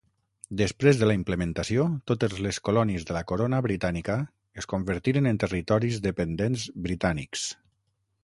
Després de la implementació, totes les colònies de la corona britànica es convertiren en territoris dependents britànics.